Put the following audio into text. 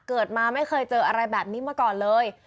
เกิดมาไม่เคยเจออะไรแบบนี้มาก่อนเลย